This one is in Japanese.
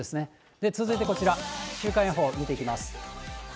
続いてこちら、週間予報見ていきます。